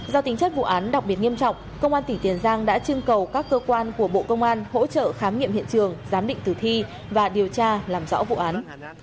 do tính chất vụ án đặc biệt nghiêm trọng công an tỉnh tiền giang đã trưng cầu các cơ quan của bộ công an hỗ trợ khám nghiệm hiện trường giám định tử thi và điều tra làm rõ vụ án